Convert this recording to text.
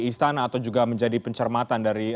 istana atau juga menjadi pencermatan dari